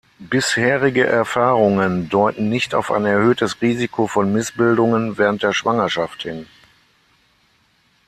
Bisherige Erfahrungen deuten nicht auf ein erhöhtes Risiko von Missbildungen während der Schwangerschaft hin.